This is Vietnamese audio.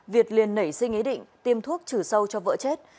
việt liền nảy sinh ý định tiêm thuốc trừ sâu cho vợ chết